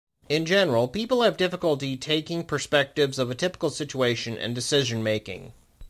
In general, people have difficulty taking perspectives of a typical situation and decision making.